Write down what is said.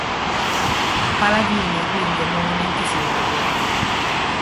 Paladini quindi è nuovamente sindaco.